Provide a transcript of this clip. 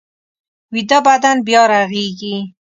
ویده بدن بیا رغېږي